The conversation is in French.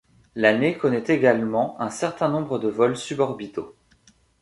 L'année connaît également un certain nombre de vol suborbitaux.